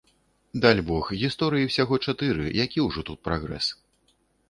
Дальбог, гісторый усяго чатыры, які ўжо тут прагрэс.